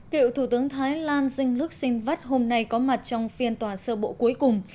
cựu thủ tướng thái lan dinh luc sinvat hôm nay có mặt trong phiên tòa sơ bộ cuối cùng